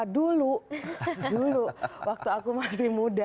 dulu dulu waktu aku masih muda